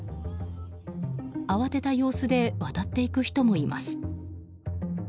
慌てた様子で渡っていく人もいます。